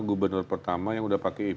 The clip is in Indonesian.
gubernur pertama yang sudah pakai ev